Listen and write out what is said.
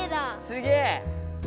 すげえ！